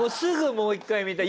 もう一回見たい。